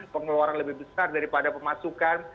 pengeluaran lebih besar daripada pemasukan